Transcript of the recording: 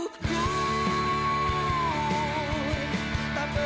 tak berhenti tanpa